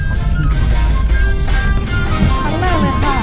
อาชีพของเรา